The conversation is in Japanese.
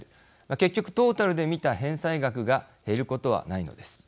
結局トータルで見た返済額が減ることはないのです。